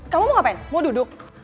kamu mau ngapain mau duduk